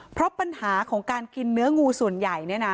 เพราะปัญหาของการกินเนื้องูส่วนใหญ่เนี่ยนะ